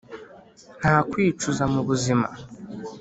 nta kwicuza mubuzima,